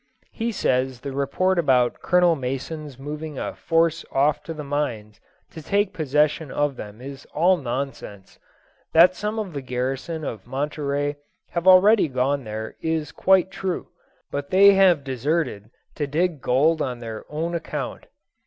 He says the report about Colonel Mason's moving a force off to the mines to take possession of them is all nonsense; that some of the garrison of Monterey have already gone there, is quite true, but they have deserted to dig sold on their own account.